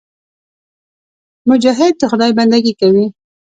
مجاهد د خدای بندګي کوي.